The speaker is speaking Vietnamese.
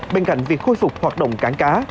bên cạnh việc khôi phục hoạt động cảng cá